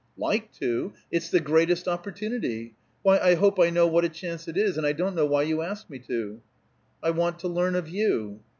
"Like to? It's the greatest opportunity! Why, I hope I know what a chance it is, and I don't know why you ask me to." "I want to learn of you."